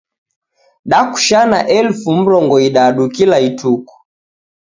Dakushana elfu mrongo idadu kila ituku.